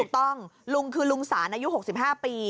ถูกต้องลุงคือลุงสานอายุ๖๕ปี